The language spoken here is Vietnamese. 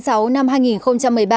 tháng sáu năm hai nghìn một mươi ba